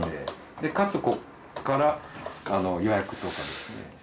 でかつここから予約とかですね。